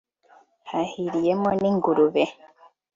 hahiriyemo n’ingurube